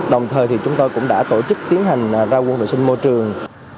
đồng thời thì chúng tôi cũng đã tổ chức tiến hành ra quân vệ sinh môi trường